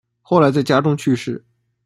后来在家中去世。